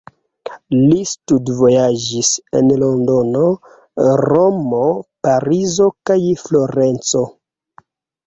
Li studvojaĝis en London, Romo, Parizo, kaj Florenco.